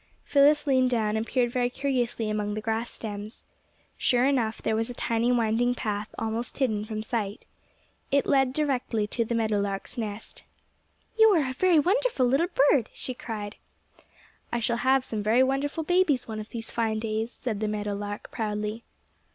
Phyllis leaned down and peered very curiously among the grass stems. Sure enough, there was a tiny winding path, almost hidden from sight. It led directly to the meadow lark's nest. "You are a very wonderful little bird," she cried. "I shall have some very wonderful babies one of these fine days," said the meadow lark, proudly.